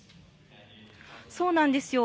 そうなんですよ。